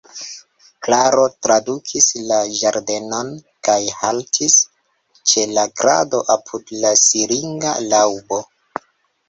Klaro trakuris la ĝardenon kaj haltis ĉe la krado apud la siringa laŭbo.